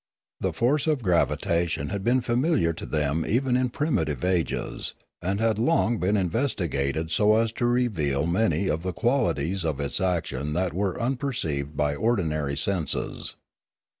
The force of gravitation had been familiar to them even in primitive ages, and had long been investi gated so as to reveal many of the qualities of its action that were unperceived by ordinary senses.